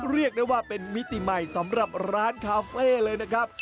เรียกได้ว่าเป็นมิติใหม่สำหรับร้านคาเฟ่เลยนะครับ